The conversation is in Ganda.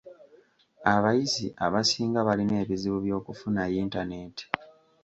Abayizi abasinga balina ebizibu by'okufuna yintaneeti.